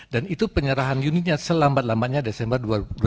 dan itu penyerahan unitnya selambat lambatnya desember dua ribu dua puluh lima